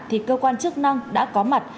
thì cơ quan chức năng đã có mặt